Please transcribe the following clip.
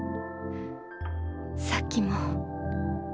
さっきも。